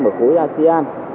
ở khối asean